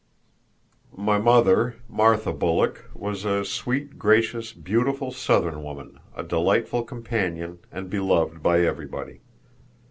My mother, Martha Bulloch, was a sweet, gracious, beautiful Southern woman, a delightful companion and beloved by everybody.